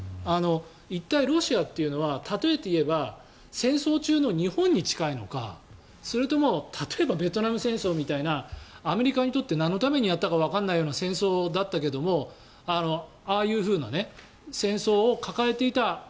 一体、ロシアというのは例えて言えば戦争中の日本に近いのかそれとも例えばベトナム戦争みたいなアメリカにとってなんのためにやったかわからないような戦争だったけどああいうふうな戦争を抱えていた